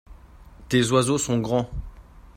tes oiseaux sont grands.